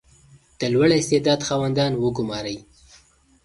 • د لوړ استعداد خاوندان وګمارئ.